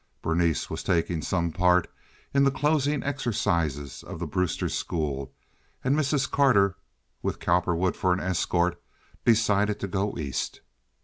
Berenice was taking some part in the closing exercises of the Brewster School, and Mrs. Carter, with Cowperwood for an escort, decided to go East.